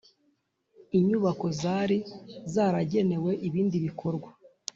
inyubako zari zaragenewe ibindi bikorwa